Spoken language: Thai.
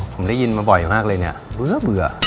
ผมได้ยินมาบ่อยมากเลยเนี่ยเบื่อ